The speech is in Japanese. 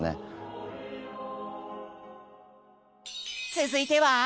続いては？